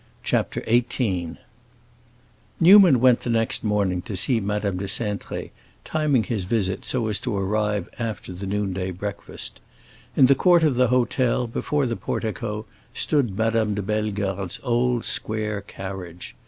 CHAPTER XVIII Newman went the next morning to see Madame de Cintré, timing his visit so as to arrive after the noonday breakfast. In the court of the hôtel, before the portico, stood Madame de Bellegarde's old square carriage.